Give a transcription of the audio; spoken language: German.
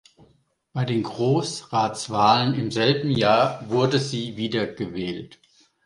Bei den Grossratswahlen im selben Jahr wurde sie wiedergewählt.